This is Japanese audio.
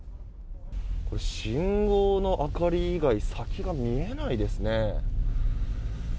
信号の明かり以外先が見えないですね。